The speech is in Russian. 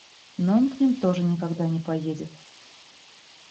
Но он к ним тоже никогда не поедет.